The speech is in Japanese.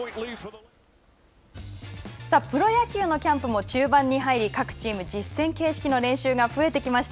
プロ野球のキャンプも中盤に入り各チーム、実戦形式の練習が増えてきました。